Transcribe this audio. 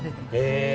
へえ！